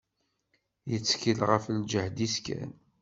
Tettkel ɣef lǧehd-is kan.